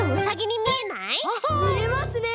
みえますねえ！